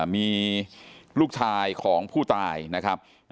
มีลูกชายของผู้ตายนะครับ